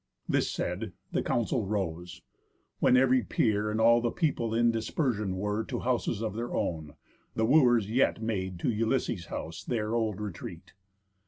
This said, the Council rose; when ev'ry peer And all the people in dispersion were To houses of their own; the Wooers yet Made to Ulysses' house their old retreat.